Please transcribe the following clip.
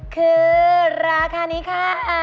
คือราคานี้ค่ะ